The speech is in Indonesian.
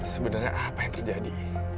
sebenernya apa yang terjadi